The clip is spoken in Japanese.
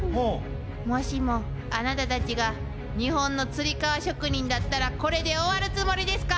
もしもあなたたちが日本のつり革職人だったらこれで終わるつもりですか？